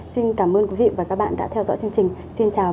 xin cảm ơn quý vị và các bạn đã theo dõi chương trình